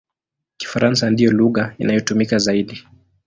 Kifaransa ndiyo lugha inayotumika zaidi.